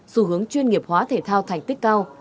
xu hướng chuyên nghiệp hóa thể thao thành tích cao